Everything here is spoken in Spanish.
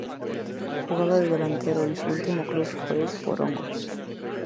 Jugaba de delantero y su último club fue Porongos.